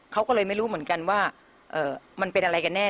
เขาก็เลยไม่รู้เหมือนกันว่ามันเป็นอะไรกันแน่